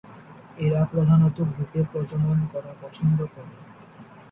এরা প্রধানত গ্রুপে প্রজনন করা পছন্দ করে।